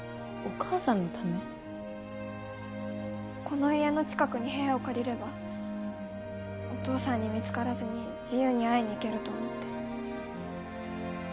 この家の近くに部屋を借りればお父さんに見つからずに自由に会いに行けると思って。